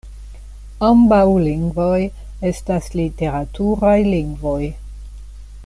Ambaŭ lingvoj estas literaturaj lingvoj.